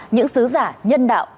những sứ giả nhân đạo